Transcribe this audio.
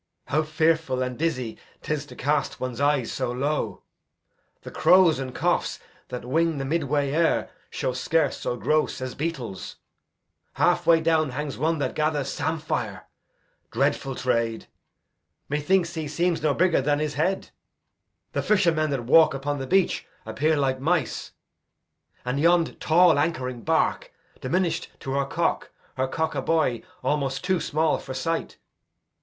How fearful And dizzy 'tis to cast one's eyes so low! The crows and choughs that wing the midway air Show scarce so gross as beetles. Halfway down Hangs one that gathers sampire dreadful trade! Methinks he seems no bigger than his head. The fishermen that walk upon the beach Appear like mice; and yond tall anchoring bark, Diminish'd to her cock; her cock, a buoy Almost too small for sight.